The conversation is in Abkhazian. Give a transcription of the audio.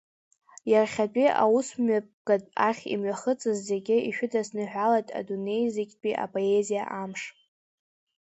Иахьатәи аусмҩаԥгатә ахь имҩахыҵыз зегьы ишәыдысныҳәалоит Адунеизегьтәи апоезиа амш!